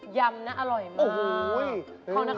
ยำนะอร่อยมาก